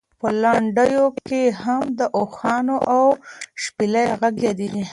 په لنډیو کې هم د اوښانو او شپېلۍ غږ یادېږي.